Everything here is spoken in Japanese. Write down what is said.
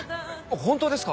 本当ですか？